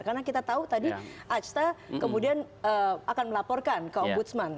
karena kita tahu tadi asta kemudian akan melaporkan ke ombudsman